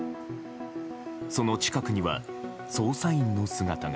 その近くには捜査員の姿が。